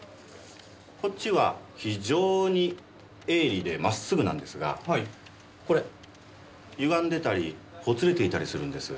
こっちは非常に鋭利で真っすぐなんですがこれゆがんでたりほつれていたりするんです。